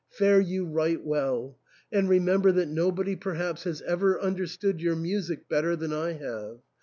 Fare you right well ; and re member that nobody perhaps has ever understood your music better than I have.